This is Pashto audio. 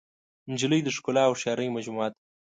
نجلۍ د ښکلا او هوښیارۍ مجموعه ده.